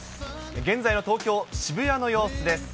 現在の東京・渋谷の様子です。